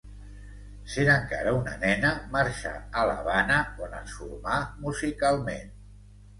Sent encara una nena marxà a l'Havana, on es formà musicalment.